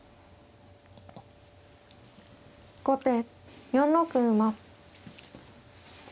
後手４六馬。